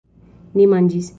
Ni manĝis.